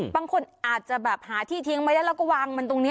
บางคนอาจจะแบบหาที่ทิ้งไว้ได้แล้วก็วางมันตรงนี้